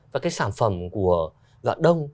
và cái sản phẩm của dạng đông